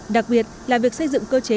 đặc biệt là việc xây dựng cơ chế mở hơn